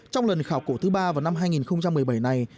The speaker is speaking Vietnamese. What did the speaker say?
trong lần khảo cổ thứ ba vào năm hai nghìn một mươi bảy này